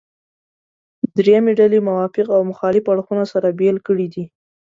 درېیمې ډلې موافق او مخالف اړخونه سره بېل کړي دي.